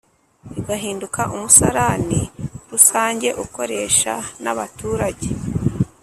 igahinduka umusarani rusange ukoresha nabaturage